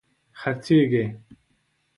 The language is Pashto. خرڅیږې